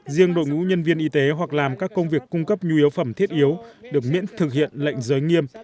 riêng đội ngũ nhân viên y tế hoặc làm các công việc cung cấp nhu yếu phẩm thiết yếu được miễn thực hiện lệnh giới nghiêm